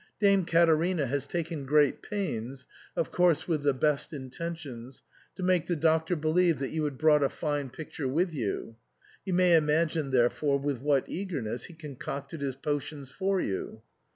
Dame Caterina had taken great pains, of course with the best intentions, to make the Doctor believe that you had brought a fine picture with you ; you may imagine therefore with what eagerness he concocted his potions for you.